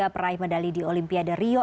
akan diberi medali di olimpiade rio